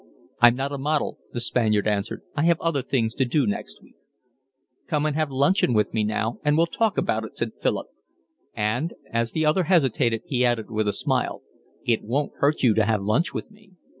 "I'm not a model," the Spaniard answered. "I have other things to do next week." "Come and have luncheon with me now, and we'll talk about it," said Philip, and as the other hesitated, he added with a smile: "It won't hurt you to lunch with me."